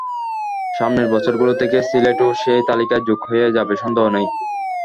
সামনের বছরগুলো থেকে সিলেটও সেই তালিকায় যোগ হয়ে যাবে সন্দেহ নেই।